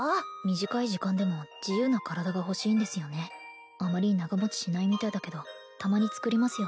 短い時間でも自由な体が欲しいんですよねあまり長持ちしないみたいだけどたまに作りますよ